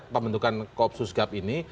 pembentukan kopassus gap ini